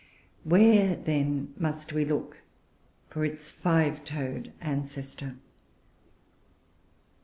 Where, then, must we look for its five toed ancestor?